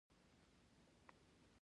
که لاس مو پرې شي نو وینه ولې بندیږي